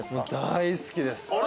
大好きです。